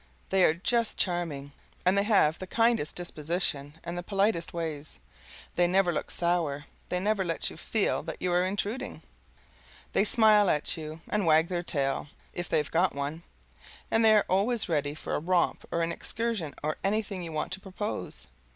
They are just charming, and they have the kindest disposition and the politest ways; they never look sour, they never let you feel that you are intruding, they smile at you and wag their tail, if they've got one, and they are always ready for a romp or an excursion or anything you want to propose.